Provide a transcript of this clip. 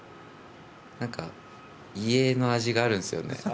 なんか家の味があるんですよね。